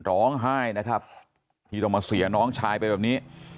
ร้องไห้นะครับที่ต้องมาเสียน้องชายไปแบบนี้